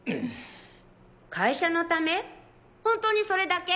会社の為本当にそれだけ？